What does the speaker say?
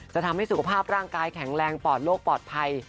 จะทำให้สุขภาพร่างกายแข็งแรงปอดโลกปลอดภัย